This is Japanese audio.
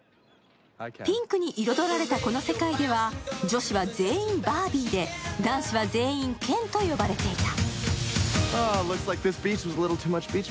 ピンクに彩られたこの世界では、女子は全員バービーで男子は全員、ケンと呼ばれていた。